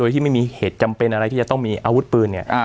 ที่ไม่มีเหตุจำเป็นอะไรที่จะต้องมีอาวุธปืนเนี่ย